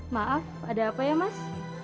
maaf ada apa ya mas